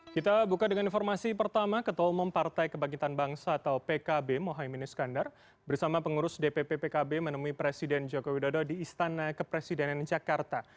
kita buka dengan informasi pertama ketua umum partai kebangkitan bangsa atau pkb mohaimin iskandar bersama pengurus dpp pkb menemui presiden joko widodo di istana kepresidenan jakarta